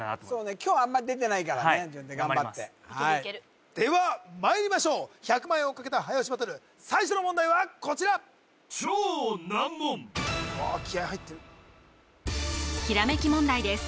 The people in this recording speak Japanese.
今日あんま出てないからはい頑張りますではまいりましょう１００万円を懸けた早押しバトル最初の問題はこちらおお気合入ってるひらめき問題です